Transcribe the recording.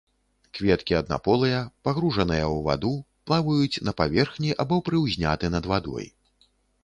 Кветкі аднаполыя, пагружаныя ў ваду, плаваюць на паверхні або прыўзняты над вадой.